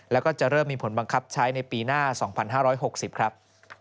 แล้วก็จะเริ่มมีผลบังคับใช้ในปีหน้า๒๕๖๐ครับ